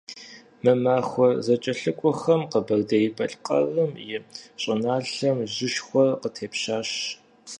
Мы махуэ зэкӀэлъыкӀуэхэм Къэбэрдей-Балъкъэрым и щӀыналъэм жьышхуэ къыщепщащ.